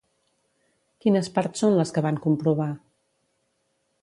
Quines parts són les que van comprovar?